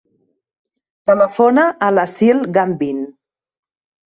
Telefona a l'Aseel Gambin.